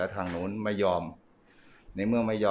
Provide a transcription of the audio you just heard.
ตอนนี้ก็ไม่มีอัศวินทรีย์